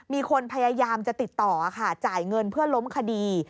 มีคนพยายามจะติดต่อค่ะจ่ายเงินเพื่อล้มคดี